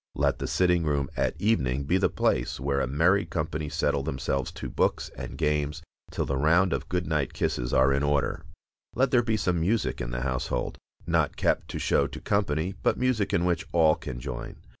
Let the sitting room at evening be the place where a merry company settle themselves to books and games, till the round of good night kisses are in order. Let there be some music in the household, not kept to show to company, but music in which all can join.